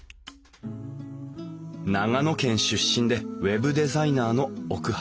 長野県出身でウェブデザイナーの奥原千純さん。